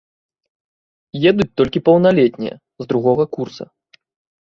Едуць толькі паўналетнія, з другога курса.